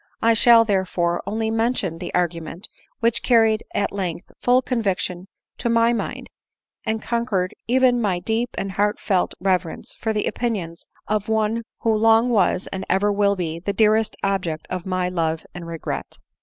I shall therefore only mention the argument which carried at length full conviction to my mind, and conquered even my deep and heartfelt reverence for the opinions of (me who long was, and ever will be, the deafest object of my love and regret.